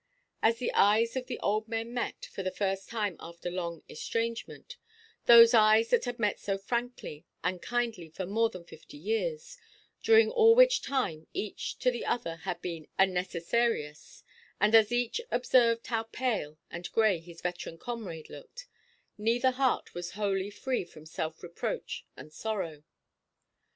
As the eyes of the old men met, for the first time after long estrangement—those eyes that had met so frankly and kindly for more than fifty years, during all which time each to the other had been a "necessarius"—and as each observed how pale and grey his veteran comrade looked, neither heart was wholly free from self–reproach and sorrow.